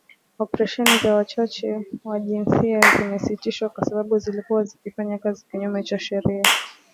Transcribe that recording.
Operesheni za Wachache wa Jinsia zimesitishwa kwa sababu zilikuwa zikifanya kazi kinyume cha sheria